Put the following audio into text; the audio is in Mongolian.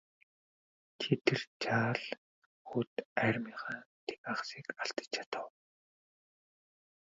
Чи яаж тэр жаал хүүд армийнхаа тэн хагасыг алдаж чадав?